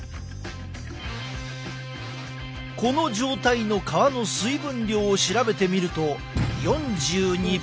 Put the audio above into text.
この状態の皮の水分量を調べてみると４２％。